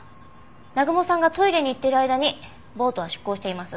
南雲さんがトイレに行っている間にボートは出航しています。